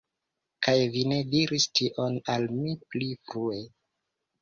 Kaj vi ne diris tion al mi pli frue!